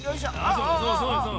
そうそうそうそう。